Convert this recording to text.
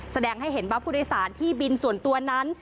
แสดงให้เห็นว่าผู้โดยสารที่บินส่วนตัวนั้น